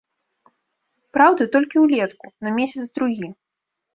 Праўда, толькі ўлетку, на месяц-другі.